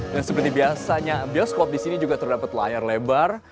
dan seperti biasanya bioskop disini juga terdapat layar lebar